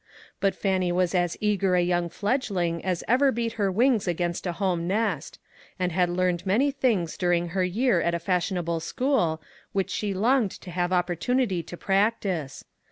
But Fannie was as eager a young fledgeling as ever beat her wings against a home nest ; and had learned many things during her year at a fashionable school which she longed to have opportunity to practice.